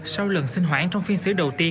sau lần sinh hoãn trong phiên xử đầu tiên